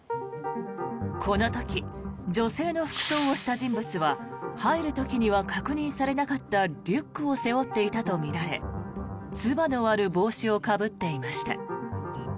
この時女性の服装をした人物は入る時には確認されなかったリュックを背負っていたとみられつばのある帽子をかぶっていました。